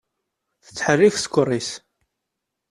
Tettḥerrik ssker-is.